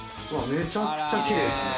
めちゃくちゃキレイですね。